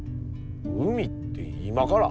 海って今から？